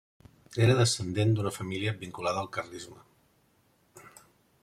Era descendent d'una família vinculada al carlisme.